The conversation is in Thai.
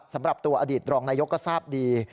สำหรับตัวอดีตรองนายกก็ทราบดี